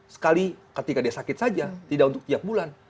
sekali ketika dia sakit saja tidak untuk tiap bulan